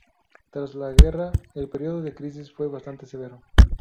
Tras la guerra el periodo de crisis fue bastante severo.